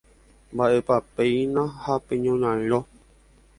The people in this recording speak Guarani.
¡Mba'épapeína la peñorairõ!